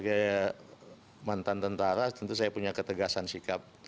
sebagai mantan tentara tentu saya punya ketegasan sikap